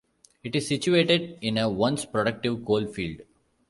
It is situated in a once productive coal field.